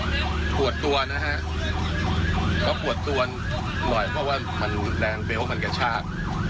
เขาปวดตัวนะฮะเขาปวดตัวหน่อยเพราะว่ามันแรงเบลว่ามันกระชาก